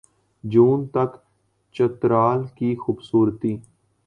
جون تک چترال کی خوبصورتی